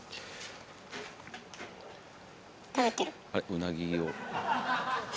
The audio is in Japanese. うなぎを。